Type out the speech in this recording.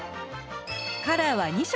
カラーは２色